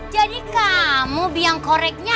jadi kamu biang koreknya